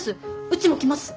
うちも来ます。